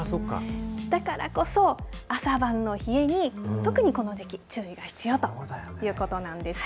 だからこそ、朝晩の冷えに、特にこの時期、注意が必要ということなんです。